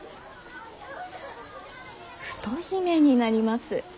太姫になります。